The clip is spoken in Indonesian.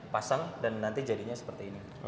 pasang dan nanti jadinya seperti ini